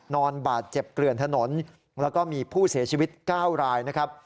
นอนบาดเจ็บเกลื่อนถนนแล้วก็มีผู้เสียชีวิต๙รายนะครับ